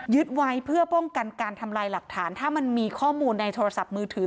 ไว้เพื่อป้องกันการทำลายหลักฐานถ้ามันมีข้อมูลในโทรศัพท์มือถือ